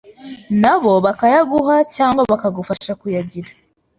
na bo bakayaguha cyangwa bakagufasha kuyagira